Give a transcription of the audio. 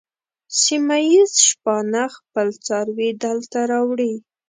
سیمه ییز شپانه خپل څاروي دلته راوړي.